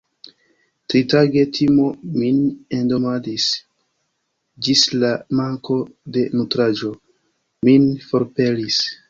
Tritage, timo min endomadis, ĝis la manko de nutraĵo min forpelis.